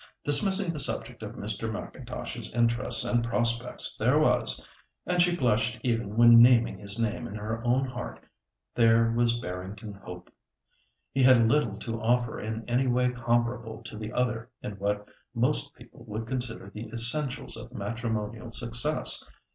Dismissing the subject of Mr. M'Intosh's interests and prospects, there was—and she blushed even when naming his name in her own heart—there was Barrington Hope. He had little to offer in any way comparable to the other in what most people would consider the essentials of matrimonial success.